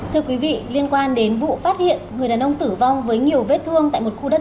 thưa quý vị liên quan đến vụ phát hiện người đàn ông tử vong với nhiều vết thương tại một khu đất